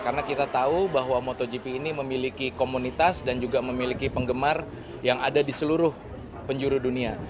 karena kita tahu bahwa motogp ini memiliki komunitas dan juga memiliki penggemar yang ada di seluruh penjuru dunia